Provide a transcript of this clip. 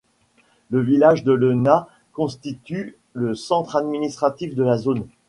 Le village de Lena constitue le centre administratif de la zone.